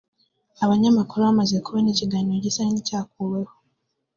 Abanyamakuru bamaze kubona ikiganiro gisa n’icyakuweho